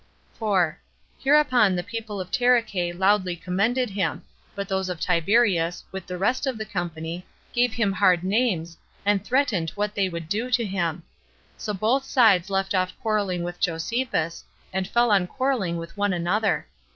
4. Hereupon the people of Taricheae loudly commended him; but those of Tiberias, with the rest of the company, gave him hard names, and threatened what they would do to him; so both sides left off quarrelling with Josephus, and fell on quarrelling with one another.